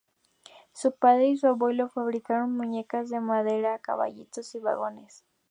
Su padre y su abuelo fabricaron muñecas de madera, caballitos, y vagones.